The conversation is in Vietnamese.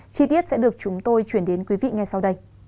chi tiết sẽ được chúng tôi chuyển đến quý vị ngay sau đây